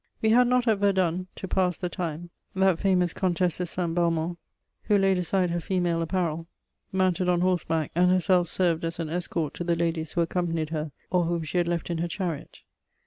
We had not at Verdun, to pass the time, "that famous Comtesse de Saint Balmont, who laid aside her female apparel, mounted on horseback, and herself served as an escort to the ladies who accompanied her or whom she had left in her chariot..."